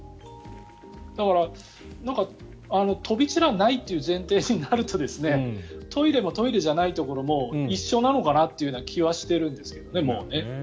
だから、飛び散らないという前提になるとトイレもトイレじゃないところも一緒なのかなという気はしているんですけどね。